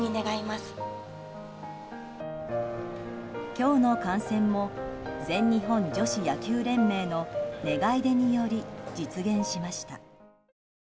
今日の観戦も全日本女子野球連盟の願い出により実現しました。